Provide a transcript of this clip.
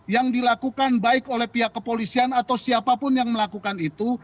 yang dilakukan baik oleh pihak kepolisian atau siapapun yang melakukan itu